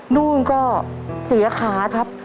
นู่นก็เสียขาครับ